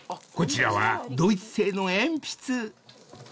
［こちらはドイツ製の鉛筆］